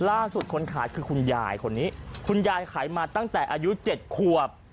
ล่าสุดคนขายคือคุณยายคนนี้คุณยายขายมาตั้งแต่อายุเจ็ดควบ